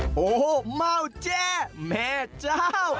โอ้โฮเม่าแจ๊แม่เจ้า